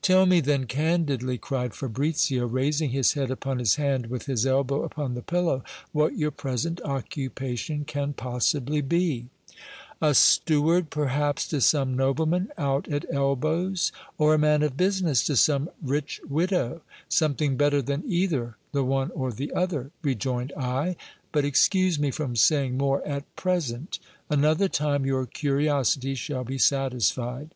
Tell me then candidly, cried Fabricio, raising his head upon his hand with his elbow upon the pillow, what your present occupation can possibly be. A steward perhaps to some nobleman out at elbows, or man of business to some rich widow ! Something better than either the one or the other, rejoined I, but excuse me from saying more at present : another time your curiosity shall be satisfied.